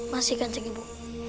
masih kanjeng ibu